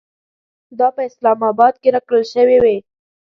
دا په اسلام اباد کې راکړل شوې وې.